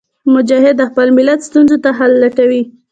مجاهد د خپل ملت ستونزو ته حل لټوي.